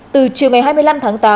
từ chiều ngày hai mươi năm tháng tám